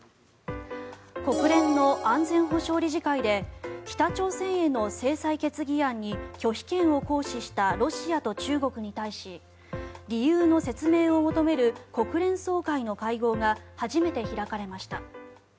国連の安全保障理事会で北朝鮮への制裁決議案に拒否権を行使したロシアと中国に対し理由の説明を求める国連総会の会合が初めて開かれました。